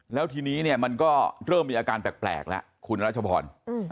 แล้วทีนี้เนี่ยมันก็เริ่มมีอาการแปลกแล้วคุณรัชพร